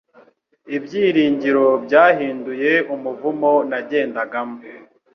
Ibyiringiro byahinduye umuvumo nagendagamo